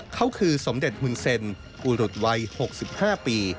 เขาคือสมเด็จฮุนเซ็นอุรุตวัย๖๕ปี